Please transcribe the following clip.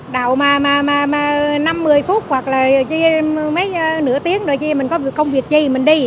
đậu mà năm một mươi phút hoặc là chia mấy nửa tiếng rồi chứ mình có công việc gì mình đi